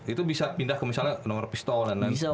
itu bisa pindah ke misalnya nomor pistol dan lain sebagainya